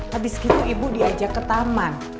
habis gitu ibu diajak ke taman